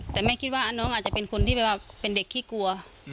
แต่แม่คิดว่าน้องอาจจะเป็นคนที่แบบว่าเป็นเด็กขี้กลัว